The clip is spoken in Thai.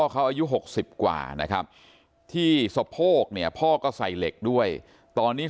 เขาอายุ๖๐กว่านะครับที่สะโพกเนี่ยพ่อก็ใส่เหล็กด้วยตอนนี้